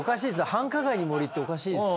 繁華街に森っておかしいですよ。